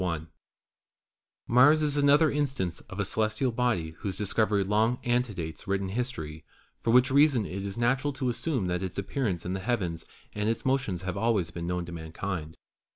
CHAPTER XV Mars is another instance of a celestial body whose dis covery long antedates written history, for which reason it is natural to assume that its appearance in the heavens and its motions have always been known to mankind.